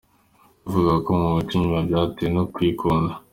Navuga ko kumuca inyuma byatewe no kwikunda.